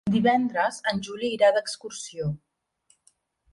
Divendres en Juli irà d'excursió.